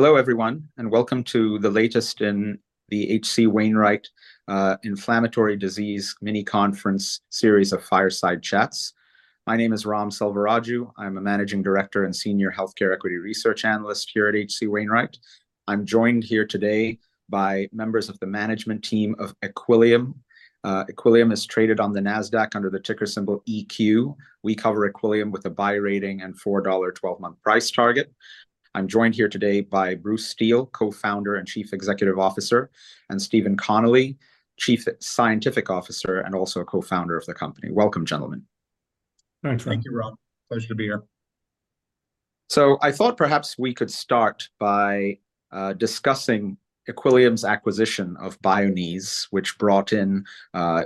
Hello everyone, and welcome to the latest in the H.C. Wainwright Inflammatory Disease Mini-Conference series of fireside chats. My name is Ram Selvaraju. I'm a Managing Director and Senior Healthcare Equity Research Analyst here at H.C. Wainwright. I'm joined here today by members of the management team of Equillium. Equillium is traded on the NASDAQ under the ticker symbol EQ. We cover Equillium with a buy rating and $4 12-month price target. I'm joined here today by Bruce Steel, Co-Founder and Chief Executive Officer, and Stephen Connelly, Chief Scientific Officer and also Co-Founder of the company. Welcome, gentlemen. Thanks, Ram. Thank you, Ram. Pleasure to be here. So I thought perhaps we could start by discussing Equillium's acquisition of Bioniz, which brought in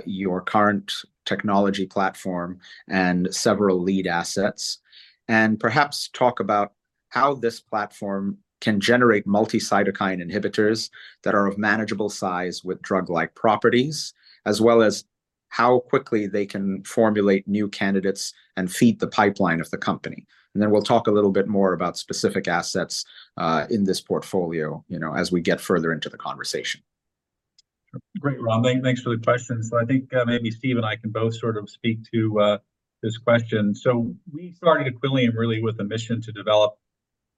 your current technology platform and several lead assets, and perhaps talk about how this platform can generate multi-cytokine inhibitors that are of manageable size with drug-like properties, as well as how quickly they can formulate new candidates and feed the pipeline of the company. And then we'll talk a little bit more about specific assets in this portfolio as we get further into the conversation. Great, Ram. Thanks for the questions. So I think maybe Steve and I can both sort of speak to this question. So we started Equillium really with a mission to develop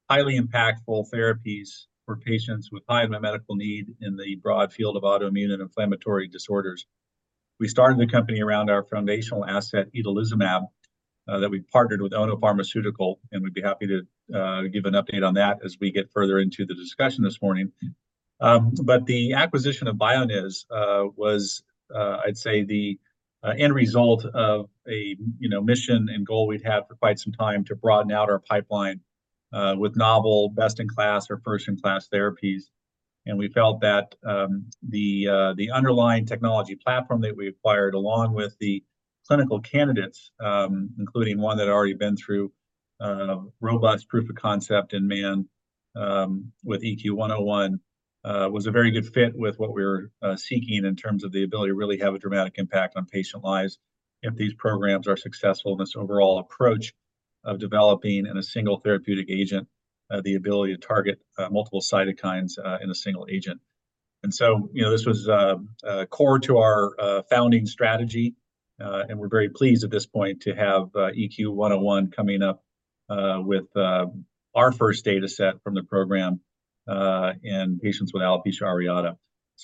highly impactful therapies for patients with high medical need in the broad field of autoimmune and inflammatory disorders. We started the company around our foundational asset, itolizumab, that we partnered with Ono Pharmaceutical, and we'd be happy to give an update on that as we get further into the discussion this morning. But the acquisition of Bioniz was, I'd say, the end result of a mission and goal we'd had for quite some time to broaden out our pipeline with novel, best-in-class, or first-in-class therapies. We felt that the underlying technology platform that we acquired along with the clinical candidates, including one that had already been through robust proof of concept in man with EQ101, was a very good fit with what we were seeking in terms of the ability to really have a dramatic impact on patient lives if these programs are successful in this overall approach of developing in a single therapeutic agent the ability to target multiple cytokines in a single agent. So this was core to our founding strategy, and we're very pleased at this point to have EQ101 coming up with our first dataset from the program in patients with alopecia areata.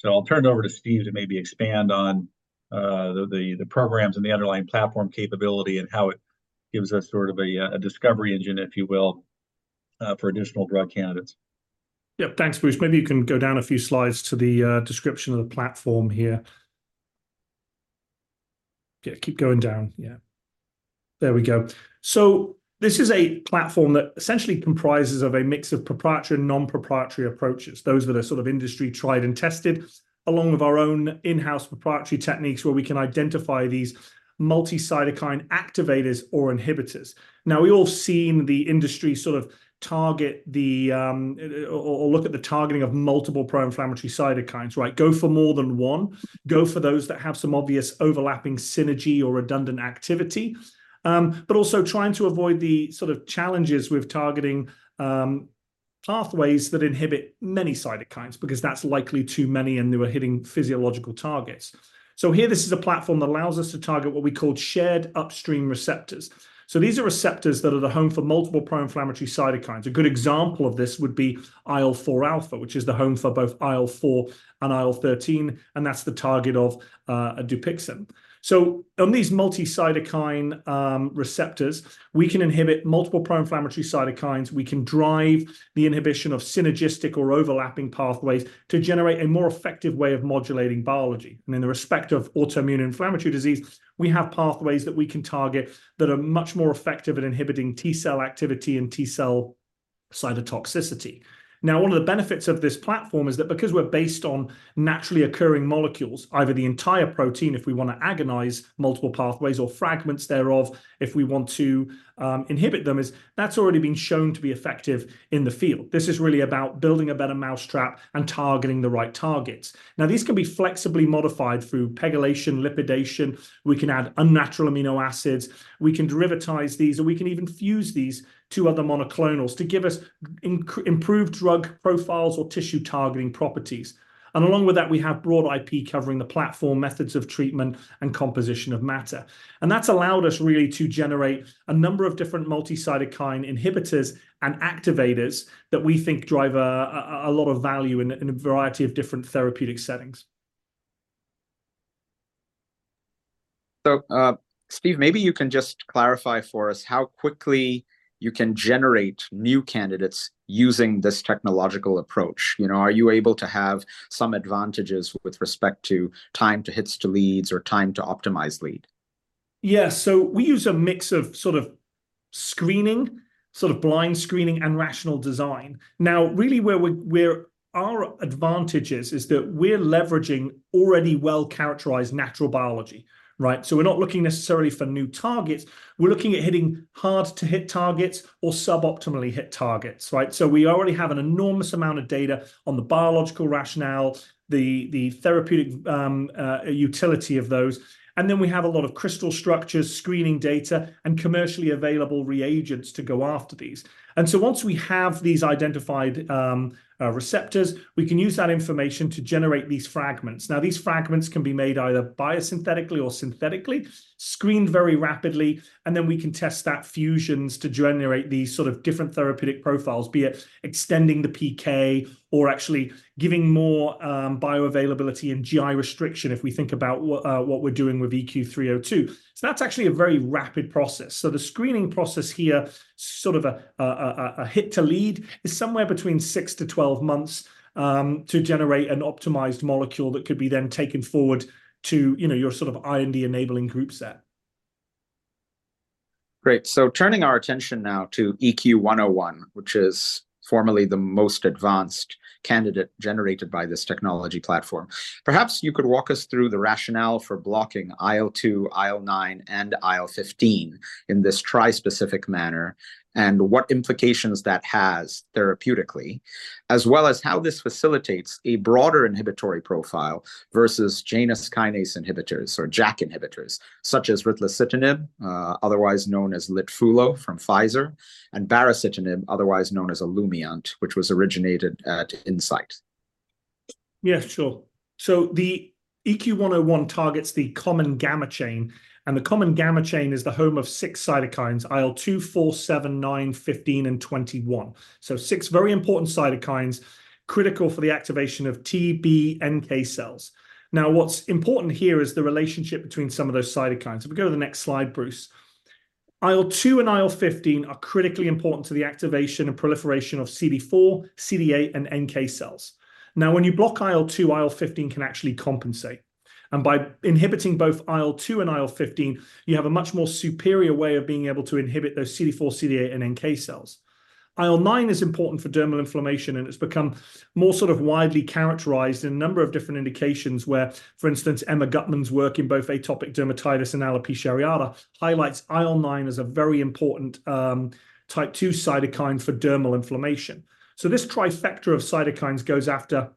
I'll turn it over to Steve to maybe expand on the programs and the underlying platform capability and how it gives us sort of a discovery engine, if you will, for additional drug candidates. Yep, thanks, Bruce. Maybe you can go down a few slides to the description of the platform here. Yeah, keep going down. Yeah, there we go. So this is a platform that essentially comprises of a mix of proprietary and non-proprietary approaches. Those that are sort of industry tried and tested, along with our own in-house proprietary techniques where we can identify these multi-cytokine activators or inhibitors. Now, we've all seen the industry sort of target the or look at the targeting of multiple pro-inflammatory cytokines, right? Go for more than one. Go for those that have some obvious overlapping synergy or redundant activity, but also trying to avoid the sort of challenges with targeting pathways that inhibit many cytokines because that's likely too many and they were hitting physiological targets. So here, this is a platform that allows us to target what we call shared upstream receptors. So these are receptors that are the home for multiple pro-inflammatory cytokines. A good example of this would be IL-4α, which is the home for both IL-4 and IL-13, and that's the target of Dupixent. So on these multi-cytokine receptors, we can inhibit multiple pro-inflammatory cytokines. We can drive the inhibition of synergistic or overlapping pathways to generate a more effective way of modulating biology. And in the respect of autoimmune inflammatory disease, we have pathways that we can target that are much more effective at inhibiting T-cell activity and T-cell cytotoxicity. Now, one of the benefits of this platform is that because we're based on naturally occurring molecules, either the entire protein if we want to agonize multiple pathways or fragments thereof if we want to inhibit them, that's already been shown to be effective in the field. This is really about building a better mousetrap and targeting the right targets. Now, these can be flexibly modified through pegylation, lipidation. We can add unnatural amino acids. We can derivatize these, or we can even fuse these to other monoclonals to give us improved drug profiles or tissue targeting properties. And along with that, we have broad IP covering the platform, methods of treatment, and composition of matter. That's allowed us really to generate a number of different multi-cytokine inhibitors and activators that we think drive a lot of value in a variety of different therapeutic settings. So, Steve, maybe you can just clarify for us how quickly you can generate new candidates using this technological approach. Are you able to have some advantages with respect to time to hits to leads or time to optimize lead? Yes. So we use a mix of sort of screening, sort of blind screening, and rational design. Now, really, where our advantage is that we're leveraging already well-characterized natural biology, right? So we're not looking necessarily for new targets. We're looking at hitting hard-to-hit targets or suboptimally hit targets, right? So we already have an enormous amount of data on the biological rationale, the therapeutic utility of those. And then we have a lot of crystal structures, screening data, and commercially available reagents to go after these. And so once we have these identified receptors, we can use that information to generate these fragments. Now, these fragments can be made either biosynthetically or synthetically, screened very rapidly, and then we can test that fusions to generate these sort of different therapeutic profiles, be it extending the PK or actually giving more bioavailability and GI restriction if we think about what we're doing with EQ302. So that's actually a very rapid process. So the screening process here, sort of a hit-to-lead, is somewhere between 6-12 months to generate an optimized molecule that could be then taken forward to your sort of IND-enabling group set. Great. So turning our attention now to EQ101, which is formally the most advanced candidate generated by this technology platform. Perhaps you could walk us through the rationale for blocking IL-2, IL-9, and IL-15 in this tri-specific manner and what implications that has therapeutically, as well as how this facilitates a broader inhibitory profile versus Janus kinase inhibitors or JAK inhibitors, such as ritlecitinib, otherwise known as Litfulo from Pfizer, and baricitinib, otherwise known as Olumiant, which was originated at Incyte. Yeah, sure. So the EQ101 targets the common gamma chain, and the common gamma chain is the home of six cytokines: IL-2, 4, 7, 9, 15, and 21. So six very important cytokines critical for the activation of TBNK cells. Now, what's important here is the relationship between some of those cytokines. If we go to the next slide, Bruce, IL-2 and IL-15 are critically important to the activation and proliferation of CD4, CD8, and NK cells. Now, when you block IL-2, IL-15 can actually compensate. And by inhibiting both IL-2 and IL-15, you have a much more superior way of being able to inhibit those CD4, CD8, and NK cells. IL-9 is important for dermal inflammation, and it's become more sort of widely characterized in a number of different indications where, for instance, Emma Guttman's work in both atopic dermatitis and alopecia areata highlights IL-9 as a very important type 2 cytokine for dermal inflammation. So this trifecta of cytokines goes after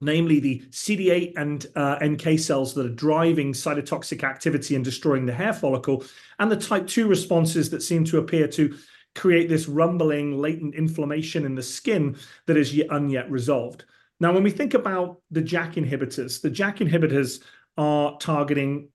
namely the CD8 and NK cells that are driving cytotoxic activity and destroying the hair follicle and the type 2 responses that seem to appear to create this rumbling, latent inflammation in the skin that is as yet unresolved. Now, when we think about the JAK inhibitors, the JAK inhibitors are targeting,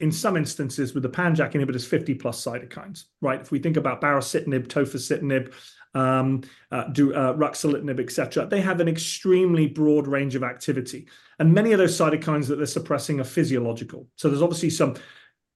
in some instances with the pan-JAK inhibitors, 50+ cytokines, right? If we think about baricitinib, tofacitinib, ruxolitinib, etc., they have an extremely broad range of activity. And many of those cytokines that they're suppressing are physiological. So there's obviously some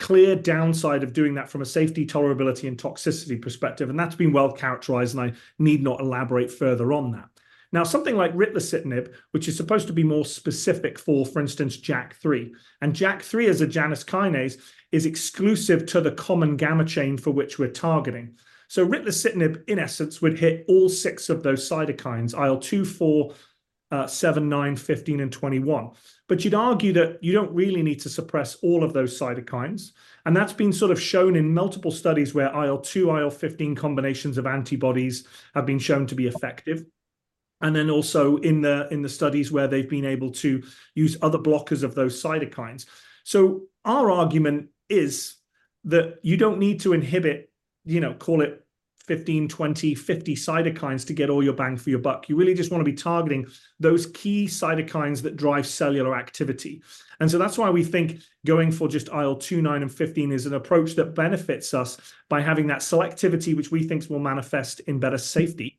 clear downside of doing that from a safety, tolerability, and toxicity perspective, and that's been well characterized, and I need not elaborate further on that. Now, something like ritlecitinib, which is supposed to be more specific for, for instance, JAK3, and JAK3 as a Janus kinase is exclusive to the common gamma chain for which we're targeting. So ritlecitinib, in essence, would hit all six of those cytokines: IL-2, 4, 7, 9, 15, and 21. But you'd argue that you don't really need to suppress all of those cytokines. And that's been sort of shown in multiple studies where IL-2, IL-15 combinations of antibodies have been shown to be effective, and then also in the studies where they've been able to use other blockers of those cytokines. So our argument is that you don't need to inhibit, call it 15, 20, 50 cytokines to get all your bang for your buck. You really just want to be targeting those key cytokines that drive cellular activity. And so that's why we think going for just IL-2, IL-9, and IL-15 is an approach that benefits us by having that selectivity, which we think will manifest in better safety.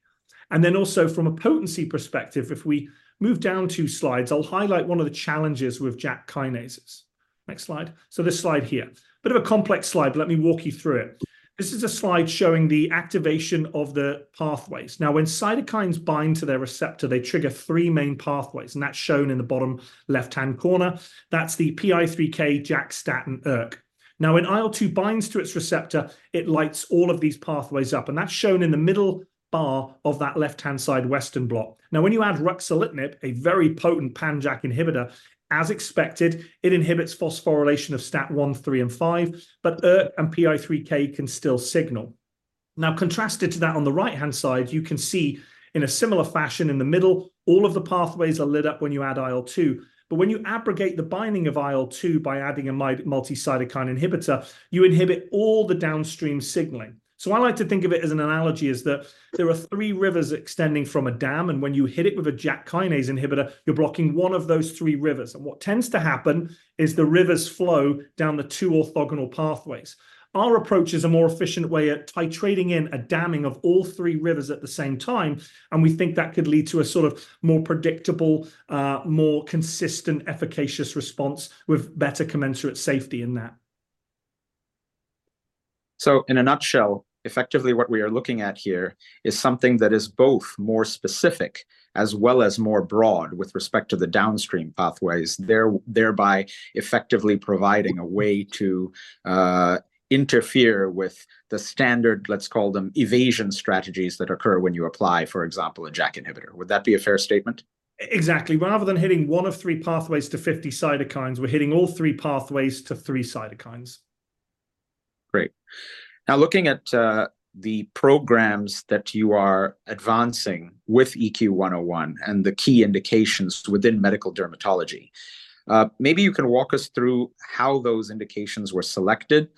And then also from a potency perspective, if we move down 2 slides, I'll highlight one of the challenges with JAK kinases. Next slide. So this slide here, a bit of a complex slide, but let me walk you through it. This is a slide showing the activation of the pathways. Now, when cytokines bind to their receptor, they trigger three main pathways, and that's shown in the bottom left-hand corner. That's the PI3K, JAK, STAT, ERK. Now, when IL-2 binds to its receptor, it lights all of these pathways up, and that's shown in the middle bar of that left-hand side Western blot. Now, when you add Ruxolitinib, a very potent pan-JAK inhibitor, as expected, it inhibits phosphorylation of STAT 1, 3, and 5, but ERK and PI3K can still signal. Now, contrasted to that on the right-hand side, you can see in a similar fashion in the middle, all of the pathways are lit up when you add IL-2. But when you abrogate the binding of IL-2 by adding a multi-cytokine inhibitor, you inhibit all the downstream signaling. So I like to think of it as an analogy is that there are three rivers extending from a dam, and when you hit it with a JAK kinase inhibitor, you're blocking one of those three rivers. What tends to happen is the rivers flow down the two orthogonal pathways. Our approach is a more efficient way of titrating in a damming of all three rivers at the same time, and we think that could lead to a sort of more predictable, more consistent, efficacious response with better commensurate safety in that. So in a nutshell, effectively, what we are looking at here is something that is both more specific as well as more broad with respect to the downstream pathways, thereby effectively providing a way to interfere with the standard, let's call them, evasion strategies that occur when you apply, for example, a JAK inhibitor. Would that be a fair statement? Exactly. Rather than hitting one of three pathways to 50 cytokines, we're hitting all three pathways to three cytokines. Great. Now, looking at the programs that you are advancing with EQ101 and the key indications within medical dermatology, maybe you can walk us through how those indications were selected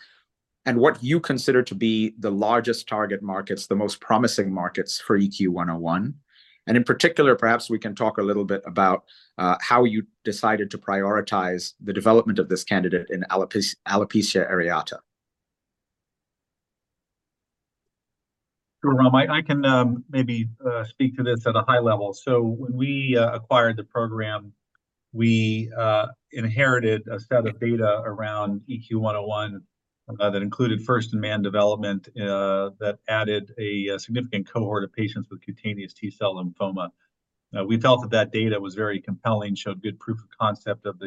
and what you consider to be the largest target markets, the most promising markets for EQ101. And in particular, perhaps we can talk a little bit about how you decided to prioritize the development of this candidate in alopecia areata. Sure, Ram. I can maybe speak to this at a high level. So when we acquired the program, we inherited a set of data around EQ101 that included first-in-man development that added a significant cohort of patients with cutaneous T-cell lymphoma. We felt that that data was very compelling, showed good proof of concept of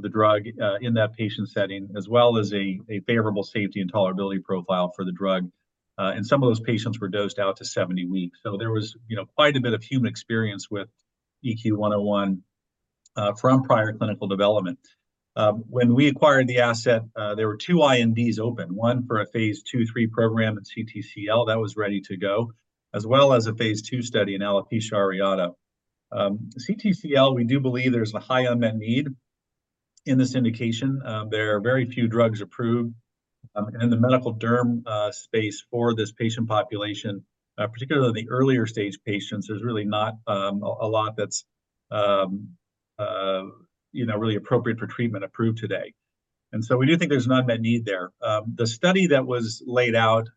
the drug in that patient setting, as well as a favorable safety and tolerability profile for the drug. And some of those patients were dosed out to 70 weeks. So there was quite a bit of human experience with EQ101 from prior clinical development. When we acquired the asset, there were two INDs open, one for a phase 2/3 program in CTCL that was ready to go, as well as a phase 2 study in alopecia areata. CTCL, we do believe there's a high unmet need in this indication. There are very few drugs approved. In the medical derm space for this patient population, particularly the earlier stage patients, there's really not a lot that's really appropriate for treatment approved today. So we do think there's an unmet need there. The study that was laid out,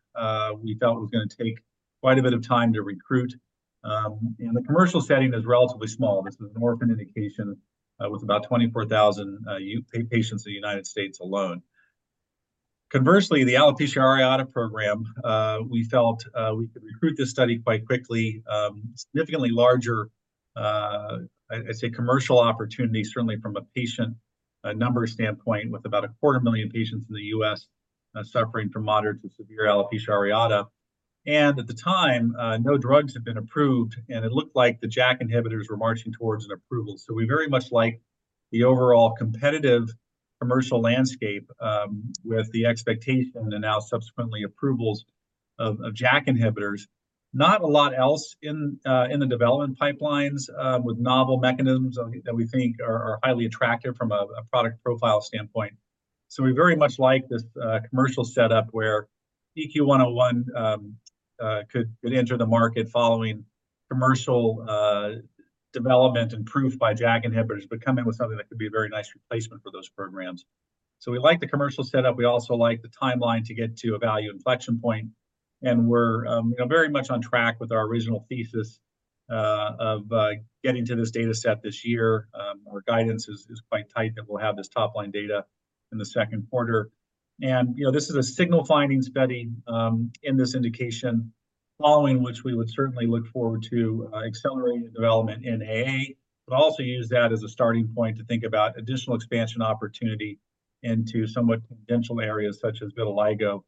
we felt it was going to take quite a bit of time to recruit. In the commercial setting, it's relatively small. This is an orphaned indication with about 24,000 patients in the United States alone. Conversely, the alopecia areata program, we felt we could recruit this study quite quickly, significantly larger, I'd say, commercial opportunity, certainly from a patient number standpoint, with about 250,000 patients in the U.S. suffering from moderate to severe alopecia areata. At the time, no drugs had been approved, and it looked like the JAK inhibitors were marching towards an approval. So we very much like the overall competitive commercial landscape with the expectation and now subsequently approvals of JAK inhibitors, not a lot else in the development pipelines with novel mechanisms that we think are highly attractive from a product profile standpoint. So we very much like this commercial setup where EQ101 could enter the market following commercial development and proof by JAK inhibitors but come in with something that could be a very nice replacement for those programs. So we like the commercial setup. We also like the timeline to get to a value inflection point. And we're very much on track with our original thesis of getting to this dataset this year. Our guidance is quite tight that we'll have this top-line data in the Q2. This is a signal-finding study in this indication, following which we would certainly look forward to accelerating development in AA, but also use that as a starting point to think about additional expansion opportunity into somewhat tangential areas such as Vitiligo,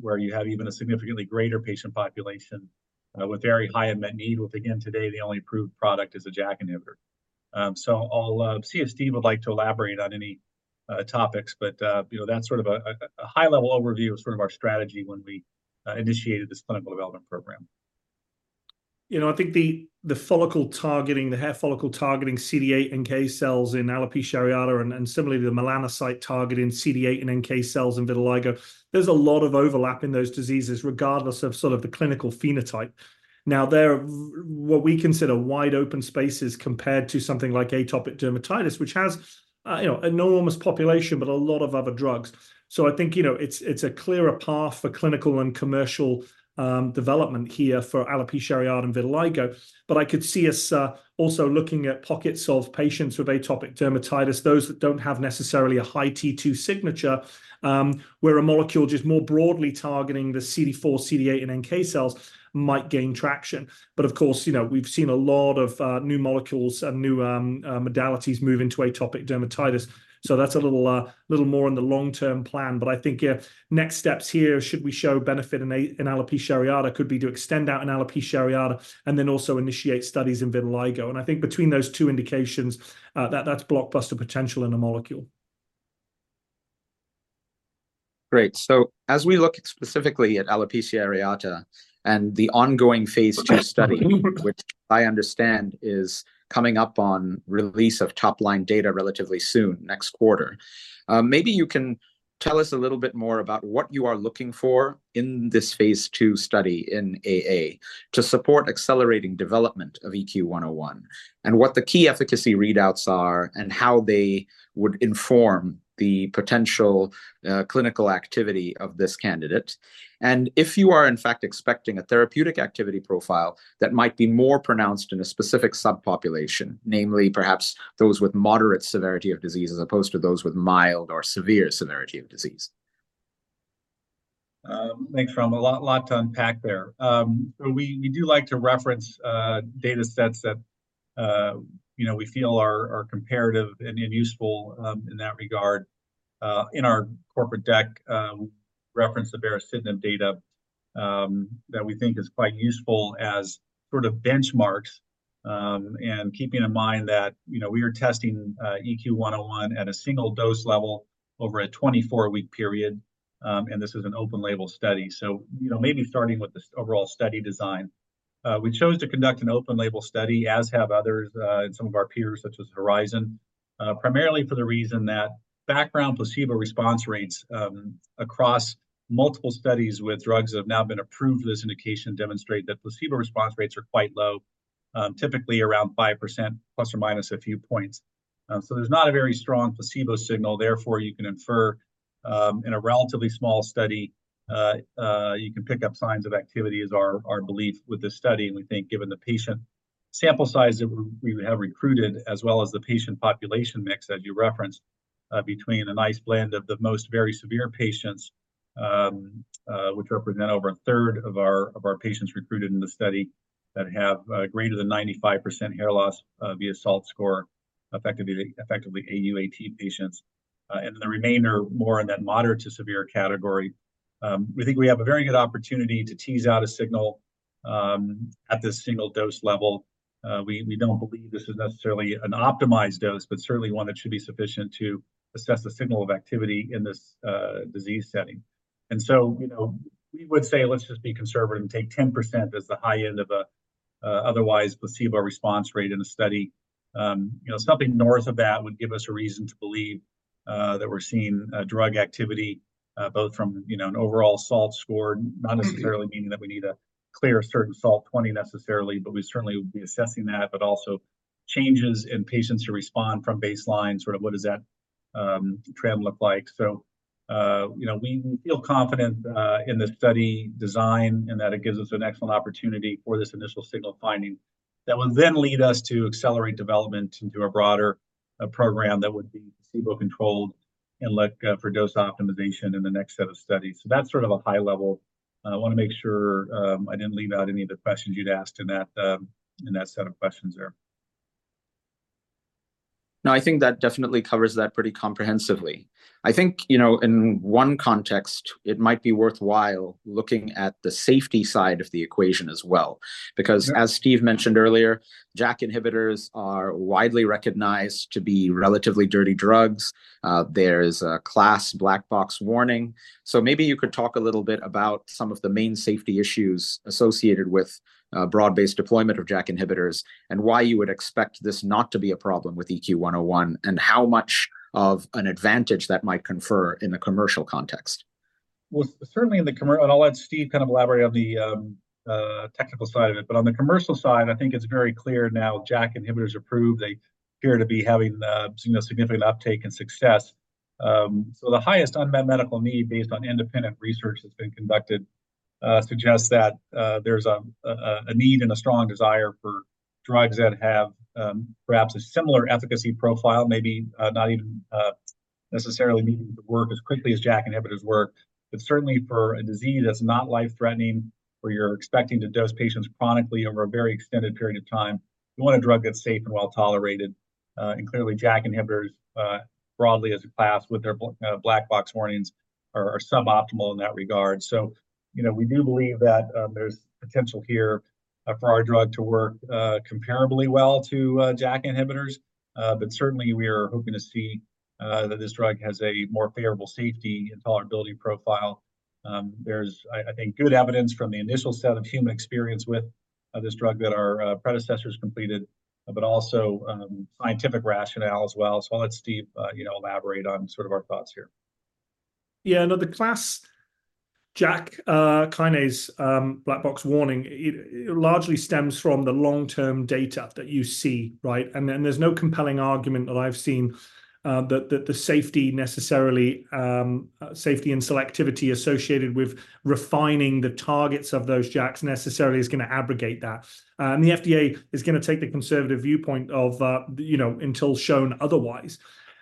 where you have even a significantly greater patient population with very high unmet need, with, again, today, the only approved product is a JAK inhibitor. So I'll see if Steve would like to elaborate on any topics, but that's sort of a high-level overview of sort of our strategy when we initiated this clinical development program. I think the hair follicle-targeting CD8 and NK cells in alopecia areata and similarly the melanocyte-targeting CD8 and NK cells in vitiligo, there's a lot of overlap in those diseases regardless of sort of the clinical phenotype. Now, what we consider wide open spaces compared to something like atopic dermatitis, which has an enormous population but a lot of other drugs. So I think it's a clearer path for clinical and commercial development here for alopecia areata and vitiligo. But I could see us also looking at T2-solved patients with atopic dermatitis, those that don't have necessarily a high T2 signature, where a molecule just more broadly targeting the CD4, CD8, and NK cells might gain traction. But of course, we've seen a lot of new molecules and new modalities move into atopic dermatitis. So that's a little more in the long-term plan. I think next steps here, should we show benefit in Alopecia areata, could be to extend out in Alopecia areata and then also initiate studies in Vitiligo. I think between those two indications, that's blockbuster potential in a molecule. Great. So as we look specifically at alopecia areata and the ongoing phase 2 study, which I understand is coming up on release of top-line data relatively soon, next quarter, maybe you can tell us a little bit more about what you are looking for in this phase 2 study in AA to support accelerating development of EQ101 and what the key efficacy readouts are and how they would inform the potential clinical activity of this candidate. And if you are, in fact, expecting a therapeutic activity profile that might be more pronounced in a specific subpopulation, namely perhaps those with moderate severity of disease as opposed to those with mild or severe severity of disease? Thanks, Ram. A lot to unpack there. We do like to reference datasets that we feel are comparative and useful in that regard. In our corporate deck, we reference the baricitinib data that we think is quite useful as sort of benchmarks and keeping in mind that we are testing EQ101 at a single dose level over a 24-week period, and this is an open-label study. So maybe starting with this overall study design, we chose to conduct an open-label study, as have others and some of our peers such as Horizon, primarily for the reason that background placebo response rates across multiple studies with drugs that have now been approved for this indication demonstrate that placebo response rates are quite low, typically around 5%, ± a few points. So there's not a very strong placebo signal. Therefore, you can infer in a relatively small study, you can pick up signs of activity, is our belief with this study. We think given the patient sample size that we have recruited as well as the patient population mix, as you referenced, between a nice blend of the most very severe patients, which represent over a third of our patients recruited in the study that have greater than 95% hair loss via SALT score, effectively AU/AT patients, and the remainder more in that moderate to severe category, we think we have a very good opportunity to tease out a signal at this single dose level. We don't believe this is necessarily an optimized dose, but certainly one that should be sufficient to assess the signal of activity in this disease setting. So we would say, let's just be conservative and take 10% as the high end of an otherwise placebo response rate in a study. Something north of that would give us a reason to believe that we're seeing drug activity both from an overall SALT score, not necessarily meaning that we need a clear certain SALT 20 necessarily, but we certainly would be assessing that, but also changes in patients who respond from baseline, sort of what does that trend look like? So we feel confident in this study design and that it gives us an excellent opportunity for this initial signal finding that will then lead us to accelerate development into a broader program that would be placebo-controlled and look for dose optimization in the next set of studies. So that's sort of a high level. I want to make sure I didn't leave out any of the questions you'd asked in that set of questions there. No, I think that definitely covers that pretty comprehensively. I think in one context, it might be worthwhile looking at the safety side of the equation as well because, as Steve mentioned earlier, JAK inhibitors are widely recognized to be relatively dirty drugs. There's a class black box warning. So maybe you could talk a little bit about some of the main safety issues associated with broad-based deployment of JAK inhibitors and why you would expect this not to be a problem with EQ101 and how much of an advantage that might confer in the commercial context. Well, certainly in the commercial and I'll let Steve kind of elaborate on the technical side of it. But on the commercial side, I think it's very clear now JAK inhibitors approved. They appear to be having significant uptake and success. So the highest unmet medical need based on independent research that's been conducted suggests that there's a need and a strong desire for drugs that have perhaps a similar efficacy profile, maybe not even necessarily needing to work as quickly as JAK inhibitors work. But certainly for a disease that's not life-threatening or you're expecting to dose patients chronically over a very extended period of time, you want a drug that's safe and well-tolerated. And clearly, JAK inhibitors broadly as a class with their black box warnings are suboptimal in that regard. So we do believe that there's potential here for our drug to work comparably well to JAK inhibitors. But certainly, we are hoping to see that this drug has a more favorable safety and tolerability profile. There's, I think, good evidence from the initial set of human experience with this drug that our predecessors completed, but also scientific rationale as well. So I'll let Steve elaborate on sort of our thoughts here. Yeah. Now, the class JAK kinase black box warning largely stems from the long-term data that you see, right? And there's no compelling argument that I've seen that the safety necessarily safety and selectivity associated with refining the targets of those JAKs necessarily is going to abrogate that. And the FDA is going to take the conservative viewpoint of until shown otherwise.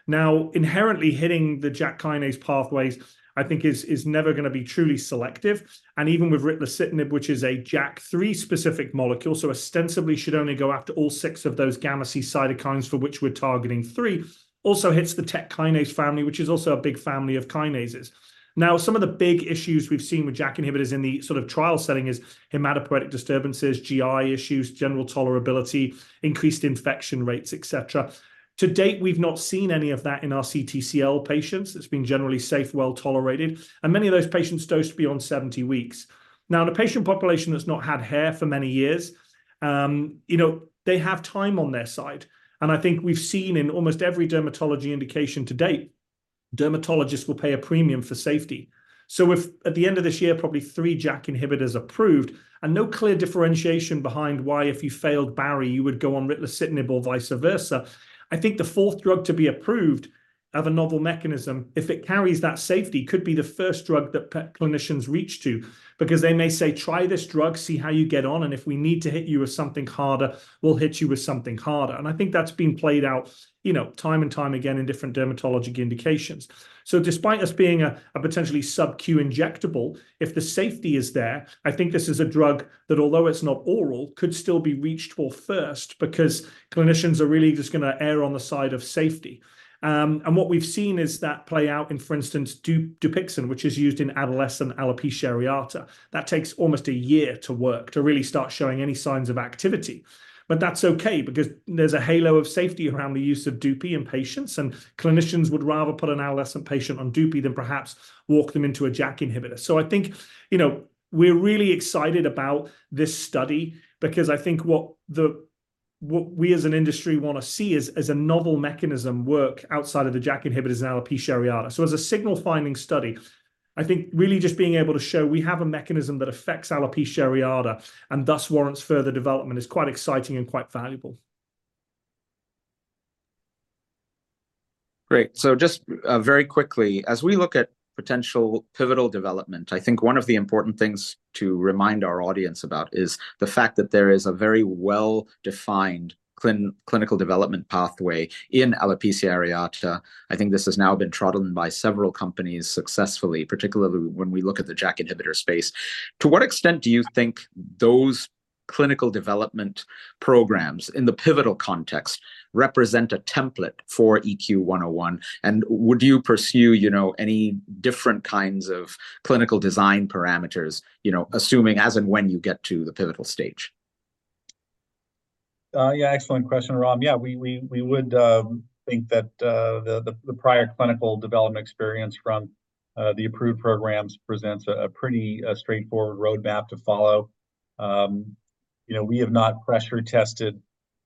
Now, inherently hitting the JAK kinase pathways, I think, is never going to be truly selective. And even with ritlecitinib, which is a JAK3-specific molecule, so ostensibly should only go after all six of those gamma-C cytokines for which we're targeting three, also hits the TEC kinase family, which is also a big family of kinases. Now, some of the big issues we've seen with JAK inhibitors in the sort of trial setting is hematopoietic disturbances, GI issues, general tolerability, increased infection rates, etc. To date, we've not seen any of that in our CTCL patients. It's been generally safe, well-tolerated. And many of those patients dosed beyond 70 weeks. Now, in a patient population that's not had hair for many years, they have time on their side. And I think we've seen in almost every dermatology indication to date, dermatologists will pay a premium for safety. So at the end of this year, probably three JAK inhibitors approved and no clear differentiation behind why if you failed baricitinib, you would go on ritlecitinib or vice versa. I think the fourth drug to be approved of a novel mechanism, if it carries that safety, could be the first drug that clinicians reach to because they may say, "Try this drug. See how you get on. And if we need to hit you with something harder, we'll hit you with something harder." And I think that's been played out time and time again in different dermatologic indications. So despite us being a potentially sub-Q injectable, if the safety is there, I think this is a drug that, although it's not oral, could still be reached for first because clinicians are really just going to err on the side of safety. And what we've seen is that play out in, for instance, Dupixent, which is used in adolescent alopecia areata. That takes almost a year to work to really start showing any signs of activity. But that's okay because there's a halo of safety around the use of dupi in patients. And clinicians would rather put an adolescent patient on dupi than perhaps walk them into a JAK inhibitor. So I think we're really excited about this study because I think what we as an industry want to see is a novel mechanism work outside of the JAK inhibitors in alopecia areata. So as a signal-finding study, I think really just being able to show we have a mechanism that affects alopecia areata and thus warrants further development is quite exciting and quite valuable. Great. So just very quickly, as we look at potential pivotal development, I think one of the important things to remind our audience about is the fact that there is a very well-defined clinical development pathway in Alopecia areata. I think this has now been trodden by several companies successfully, particularly when we look at the JAK inhibitor space. To what extent do you think those clinical development programs in the pivotal context represent a template for EQ101? And would you pursue any different kinds of clinical design parameters, assuming as and when you get to the pivotal stage? Yeah, excellent question, Ram. Yeah, we would think that the prior clinical development experience from the approved programs presents a pretty straightforward roadmap to follow. We have not pressure-tested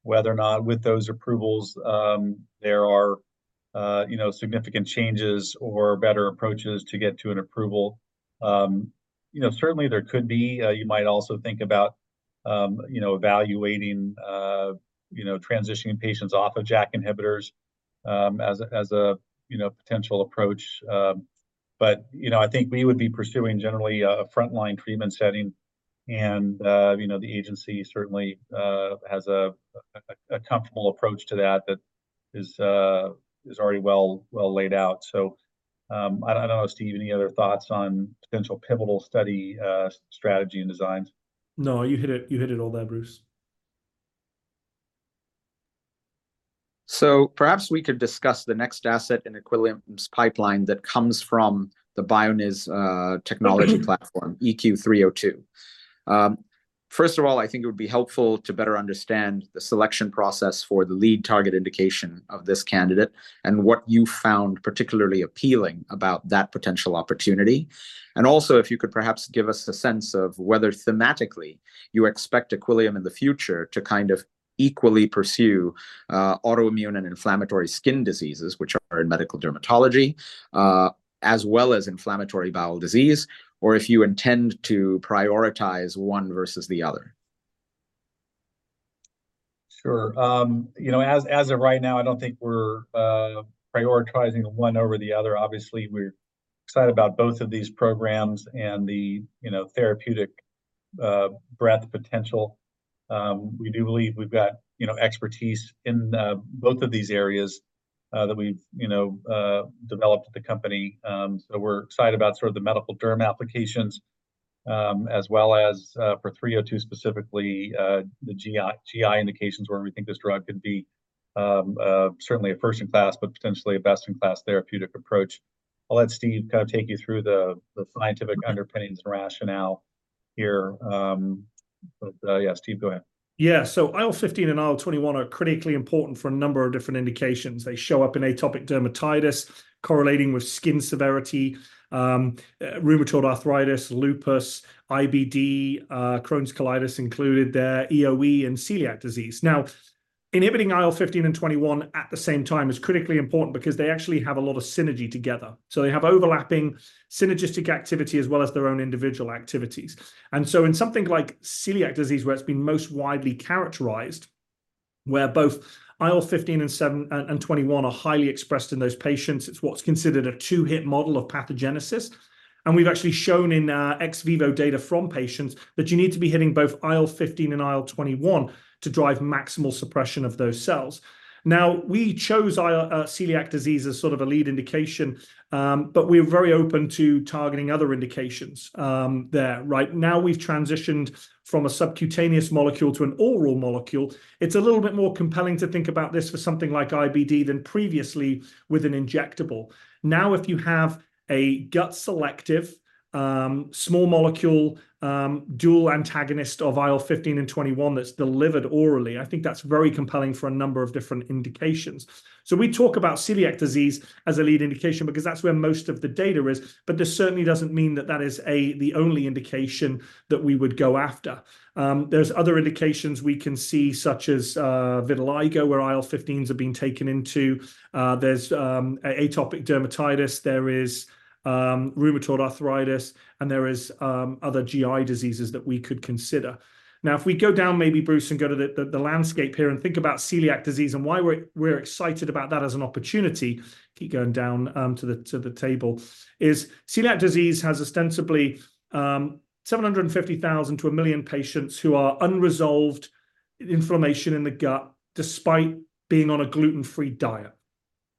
whether or not with those approvals, there are significant changes or better approaches to get to an approval. Certainly, there could be. You might also think about evaluating transitioning patients off of JAK inhibitors as a potential approach. But I think we would be pursuing generally a frontline treatment setting. And the agency certainly has a comfortable approach to that that is already well laid out. So I don't know, Steve, any other thoughts on potential pivotal study strategy and designs? No, you hit it all there, Bruce. So perhaps we could discuss the next asset and Equillium's pipeline that comes from the Bioniz technology platform, EQ302. First of all, I think it would be helpful to better understand the selection process for the lead target indication of this candidate and what you found particularly appealing about that potential opportunity. And also, if you could perhaps give us a sense of whether thematically you expect Equillium in the future to kind of equally pursue autoimmune and inflammatory skin diseases, which are in medical dermatology, as well as inflammatory bowel disease, or if you intend to prioritize one versus the other. Sure. As of right now, I don't think we're prioritizing one over the other. Obviously, we're excited about both of these programs and the therapeutic breadth potential. We do believe we've got expertise in both of these areas that we've developed at the company. So we're excited about sort of the medical derm applications as well as for 302 specifically, the GI indications where we think this drug could be certainly a first-in-class, but potentially a best-in-class therapeutic approach. I'll let Steve kind of take you through the scientific underpinnings and rationale here. But yeah, Steve, go ahead. Yeah. So IL-15 and IL-21 are critically important for a number of different indications. They show up in atopic dermatitis correlating with skin severity, rheumatoid arthritis, lupus, IBD, Crohn's colitis included there, EoE, and celiac disease. Now, inhibiting IL-15 and IL-21 at the same time is critically important because they actually have a lot of synergy together. So they have overlapping synergistic activity as well as their own individual activities. And so in something like celiac disease where it's been most widely characterized, where both IL-15 and IL-21 are highly expressed in those patients, it's what's considered a two-hit model of pathogenesis. And we've actually shown in ex vivo data from patients that you need to be hitting both IL-15 and IL-21 to drive maximal suppression of those cells. Now, we chose celiac disease as sort of a lead indication, but we're very open to targeting other indications there, right? Now we've transitioned from a subcutaneous molecule to an oral molecule. It's a little bit more compelling to think about this for something like IBD than previously with an injectable. Now, if you have a gut-selective, small molecule, dual antagonist of IL-15 and IL-21 that's delivered orally, I think that's very compelling for a number of different indications. So we talk about Celiac disease as a lead indication because that's where most of the data is. But this certainly doesn't mean that that is the only indication that we would go after. There's other indications we can see such as vitiligo where IL-15s have been taken into. There's atopic dermatitis. There is rheumatoid arthritis. And there are other GI diseases that we could consider. Now, if we go down maybe, Bruce, and go to the landscape here and think about celiac disease and why we're excited about that as an opportunity, keep going down to the table. [It] is celiac disease has ostensibly 750,000-1,000,000 patients who are unresolved inflammation in the gut despite being on a gluten-free diet.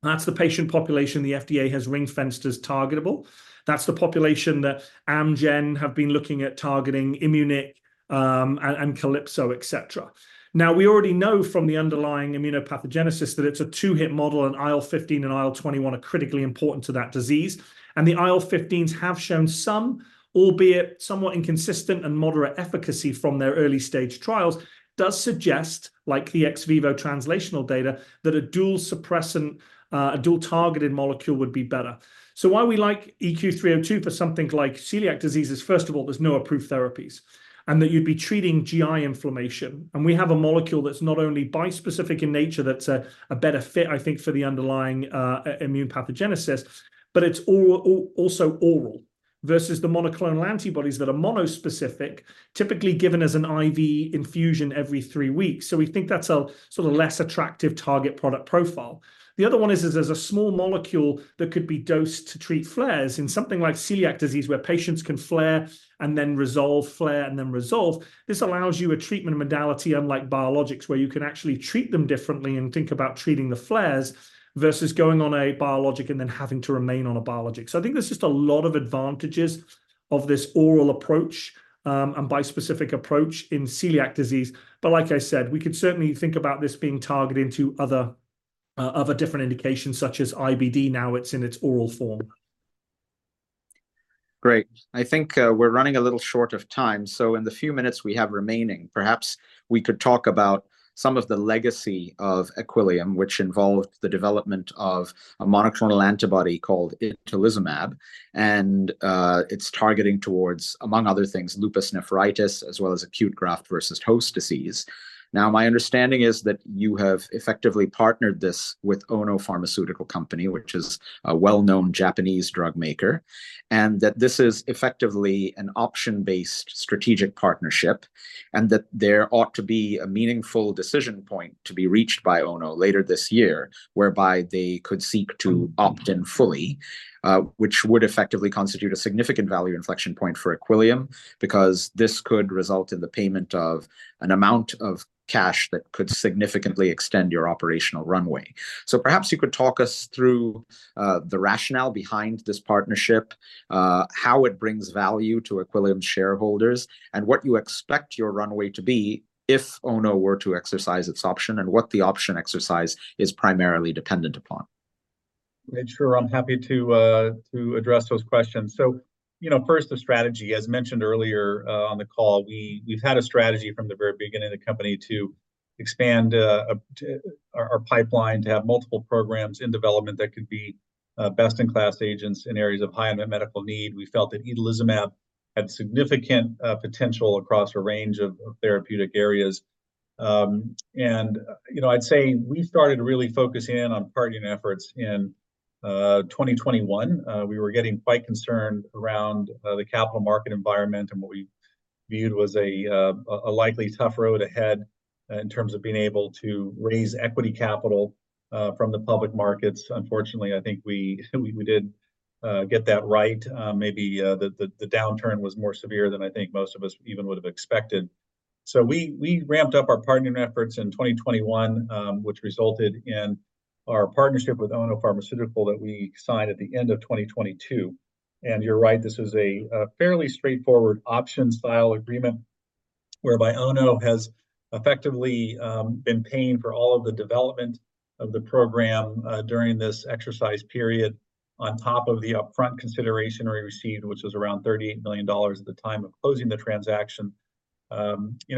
That's the patient population the FDA has ring-fenced as targetable. That's the population that Amgen have been looking at targeting, Immunic, and Calypso, etc. Now, we already know from the underlying immunopathogenesis that it's a two-hit model, and IL-15 and IL-21 are critically important to that disease. And the IL-15s have shown some, albeit somewhat inconsistent, and moderate efficacy from their early-stage trials does suggest, like the ex vivo translational data, that a dual-suppressant, a dual-targeted molecule would be better. So why we like EQ302 for something like celiac disease is, first of all, there's no approved therapies and that you'd be treating GI inflammation. And we have a molecule that's not only bispecific in nature that's a better fit, I think, for the underlying immunopathogenesis, but it's also oral versus the monoclonal antibodies that are monospecific, typically given as an IV infusion every three weeks. So we think that's a sort of less attractive target product profile. The other one is there's a small molecule that could be dosed to treat flares. In something like celiac disease where patients can flare and then resolve, flare and then resolve, this allows you a treatment modality unlike biologics where you can actually treat them differently and think about treating the flares versus going on a biologic and then having to remain on a biologic. I think there's just a lot of advantages of this oral approach and bispecific approach in celiac disease. But like I said, we could certainly think about this being targeted into other different indications such as IBD. Now it's in its oral form. Great. I think we're running a little short of time. So in the few minutes we have remaining, perhaps we could talk about some of the legacy of Equillium, which involved the development of a monoclonal antibody called itolizumab. And it's targeting towards, among other things, lupus nephritis as well as acute graft-versus-host disease. Now, my understanding is that you have effectively partnered this with Ono Pharmaceutical Company, which is a well-known Japanese drug maker, and that this is effectively an option-based strategic partnership and that there ought to be a meaningful decision point to be reached by Ono later this year whereby they could seek to opt in fully, which would effectively constitute a significant value inflection point for Equillium because this could result in the payment of an amount of cash that could significantly extend your operational runway. Perhaps you could talk us through the rationale behind this partnership, how it brings value to Equillium's shareholders, and what you expect your runway to be if Ono were to exercise its option and what the option exercise is primarily dependent upon. Sure. I'm happy to address those questions. So first, the strategy. As mentioned earlier on the call, we've had a strategy from the very beginning of the company to expand our pipeline, to have multiple programs in development that could be best-in-class agents in areas of high unmet medical need. We felt that itolizumab had significant potential across a range of therapeutic areas. And I'd say we started really focusing in on partnering efforts in 2021. We were getting quite concerned around the capital market environment and what we viewed was a likely tough road ahead in terms of being able to raise equity capital from the public markets. Unfortunately, I think we did get that right. Maybe the downturn was more severe than I think most of us even would have expected. So we ramped up our partnering efforts in 2021, which resulted in our partnership with Ono Pharmaceutical that we signed at the end of 2022. And you're right. This is a fairly straightforward option-style agreement whereby Ono has effectively been paying for all of the development of the program during this exercise period on top of the upfront consideration we received, which was around $38 million at the time of closing the transaction.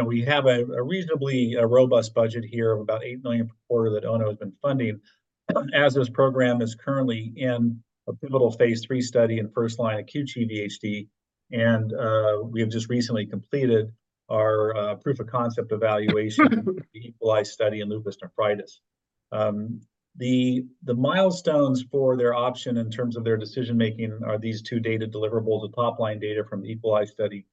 We have a reasonably robust budget here of about $8 million per quarter that Ono has been funding as this program is currently in a pivotal phase 3 study in first-line acute GVHD. And we have just recently completed our proof of concept evaluation for the EQUALISE study in lupus nephritis. The milestones for their option in terms of their decision-making are these two data deliverables, the top-line data from the EQUALISE study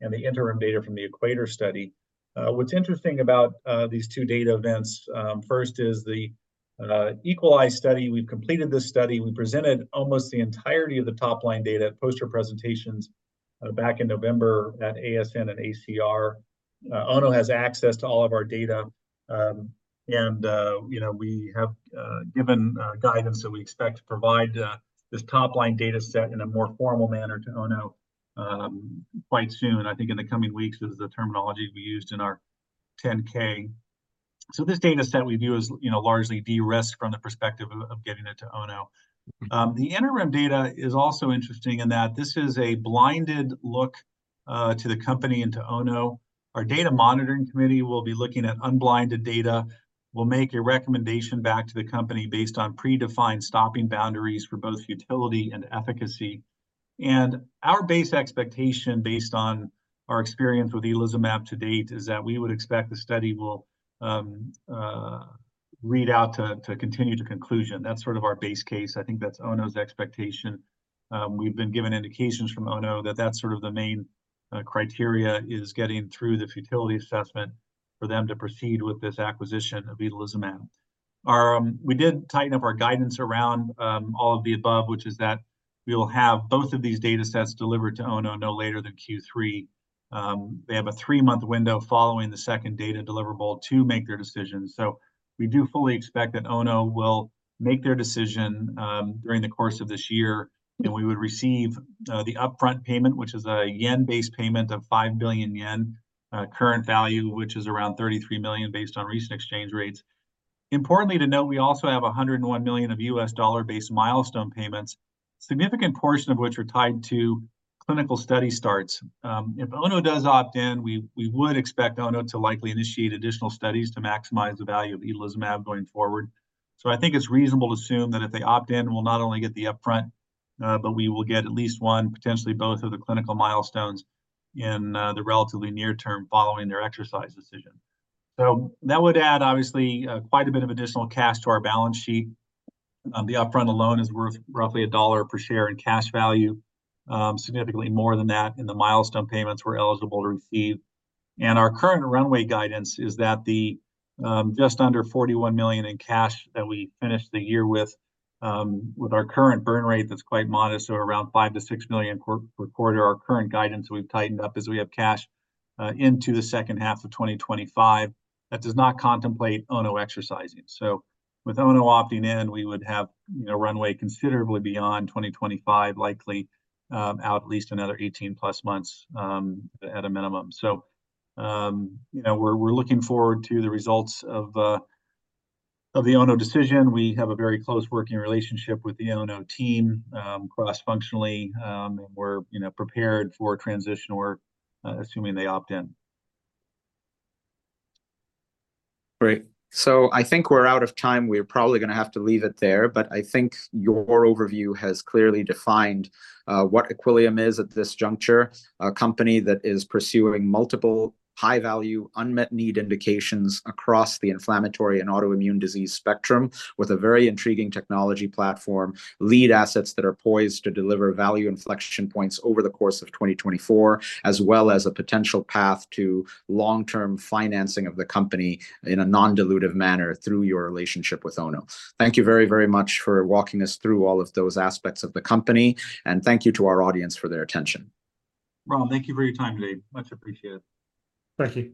and the interim data from the EQUATOR study. What's interesting about these two data events, first, is the EQUALISE study. We've completed this study. We presented almost the entirety of the top-line data at poster presentations back in November at ASN and ACR. Ono has access to all of our data. And we have given guidance that we expect to provide this top-line data set in a more formal manner to Ono quite soon. I think in the coming weeks is the terminology we used in our 10-K. So this data set we view as largely de-risked from the perspective of getting it to Ono. The interim data is also interesting in that this is a blinded look to the company and to Ono. Our data monitoring committee will be looking at unblinded data, will make a recommendation back to the company based on predefined stopping boundaries for both futility and efficacy. Our base expectation based on our experience with itolizumab to date is that we would expect the study will read out to continue to conclusion. That's sort of our base case. I think that's Ono's expectation. We've been given indications from Ono that that's sort of the main criteria is getting through the futility assessment for them to proceed with this acquisition of itolizumab. We did tighten up our guidance around all of the above, which is that we will have both of these data sets delivered to Ono no later than Q3. They have a three-month window following the second data deliverable to make their decision. We do fully expect that Ono will make their decision during the course of this year. We would receive the upfront payment, which is a yen-based payment of 5 billion yen current value, which is around $33 million based on recent exchange rates. Importantly to note, we also have $101 million of US dollar-based milestone payments, a significant portion of which are tied to clinical study starts. If Ono does opt in, we would expect Ono to likely initiate additional studies to maximize the value of itolizumab going forward. I think it's reasonable to assume that if they opt in, we'll not only get the upfront, but we will get at least one, potentially both of the clinical milestones in the relatively near term following their exercise decision. That would add, obviously, quite a bit of additional cash to our balance sheet. The upfront alone is worth roughly $1 per share in cash value, significantly more than that in the milestone payments we're eligible to receive. Our current runway guidance is that the just under $41 million in cash that we finish the year with, with our current burn rate that's quite modest, so around $5 million-$6 million per quarter, our current guidance that we've tightened up is we have cash into the second half of 2025 that does not contemplate Ono exercising. With Ono opting in, we would have runway considerably beyond 2025, likely out at least another 18+ months at a minimum. We're looking forward to the results of the Ono decision. We have a very close working relationship with the Ono team cross-functionally. We're prepared for transition work assuming they opt in. Great. So I think we're out of time. We're probably going to have to leave it there. But I think your overview has clearly defined what Equillium is at this juncture, a company that is pursuing multiple high-value, unmet need indications across the inflammatory and autoimmune disease spectrum with a very intriguing technology platform, lead assets that are poised to deliver value inflection points over the course of 2024, as well as a potential path to long-term financing of the company in a non-dilutive manner through your relationship with Ono. Thank you very, very much for walking us through all of those aspects of the company. And thank you to our audience for their attention. Rob, thank you for your time today. Much appreciated. Thank you.